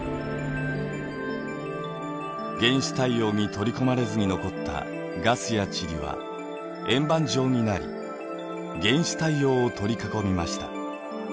原始太陽に取り込まれずに残ったガスや塵は円盤状になり原始太陽を取り囲みました。